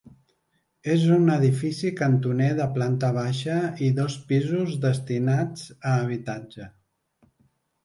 És un edifici cantoner de planta baixa i dos pisos destinats a habitatge.